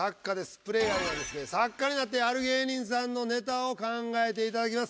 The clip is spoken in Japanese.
プレーヤーはですね作家になってある芸人さんのネタを考えていただきます。